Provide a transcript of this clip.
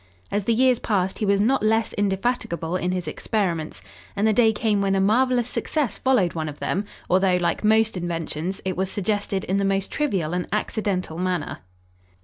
As the years passed he was not less indefatigable in his experiments, and the day came when a marvelous success followed one of them, although, like most inventions, it was suggested in the most trivial and accidental manner.